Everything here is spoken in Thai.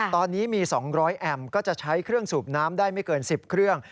ตอนนี้มี๒๐๐แอมป์ก็จะใช้เครื่องสูบน้ำได้ไม่เกิน๑๐เครื่อง